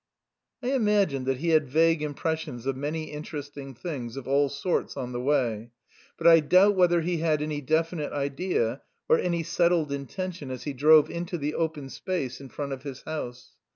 I imagine that he had vague impressions of many interesting things of all sorts on the way, but I doubt whether he had any definite idea or any settled intention as he drove into the open space in front of his house.